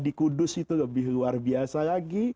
di kudus itu lebih luar biasa lagi